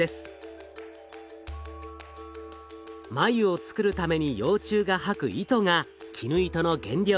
繭を作るために幼虫が吐く糸が絹糸の原料。